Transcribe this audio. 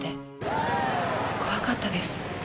怖かったです。